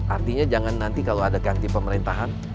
artinya jangan nanti kalau ada ganti pemerintahan